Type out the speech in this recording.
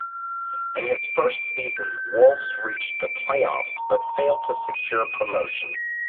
In his first season Wolves reached the play-offs but failed to secure promotion.